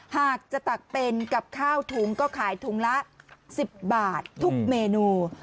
หากจะตักเป็นกับข้าวถุงก็ขายถุงละ๑๐บาททุกเมนู